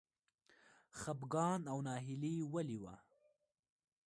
خپګان او ناهیلي ولې وه.